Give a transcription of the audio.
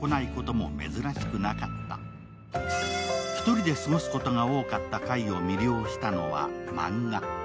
１人で過ごすことが多かった櫂を魅了したのは漫画。